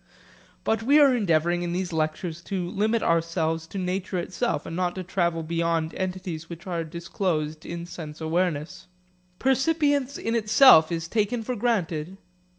But we are endeavouring in these lectures to limit ourselves to nature itself and not to travel beyond entities which are disclosed in sense awareness. Percipience in itself is taken for granted.